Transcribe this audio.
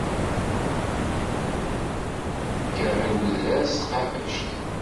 Kkreɣ i wedrar s tqabact.